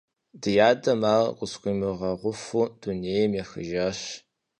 Ди адэм ар къысхуимыгъэгъуфу дунейм ехыжащ.